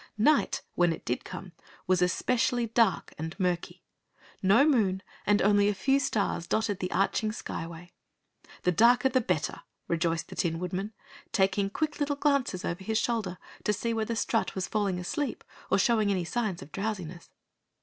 Night, when it did come, was especially dark and murky. No moon and only a few stars dotted the arching Skyway. The darker the better, rejoiced the Tin Woodman, taking quick little glances over his shoulder to see whether Strut was falling asleep or showing any signs of drowsiness.